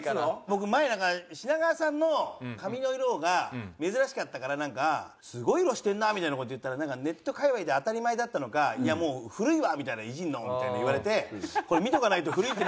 僕前品川さんの髪の色が珍しかったからなんか「すごい色してるな」みたいな事言ったらネット界隈で当たり前だったのか「もう古いわ！」みたいな「イジるの」みたいに言われてこれ見とかないと古いってなっちゃう。